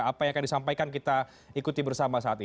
apa yang akan disampaikan kita ikuti bersama saat ini